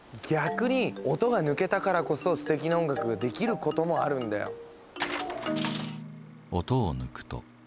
逆に音が抜けたからこそすてきな音楽ができることもあるんだよ。